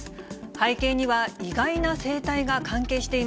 背景には、意外な生態が関係